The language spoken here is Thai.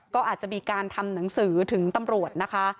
ก็อาจจะมีการทำหนังสือถึงตำรวจนะคะ